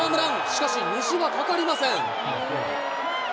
しかし、虹は架かりません。